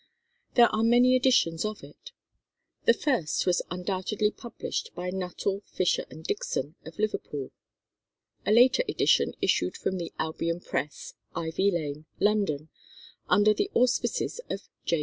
There are many editions of it. The first was undoubtedly published by Nuttall, Fisher, and Dixon, of Liverpool; a later edition issued from the Albion Press, Ivy Lane, London, under the auspices of J.